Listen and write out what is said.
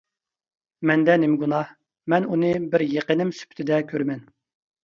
مەندە نېمە گۇناھ؟ مەن ئۇنى بىر يېقىنىم سۈپىتىدە كۆرىمەن.